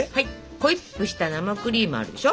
ホイップした生クリームあるでしょ。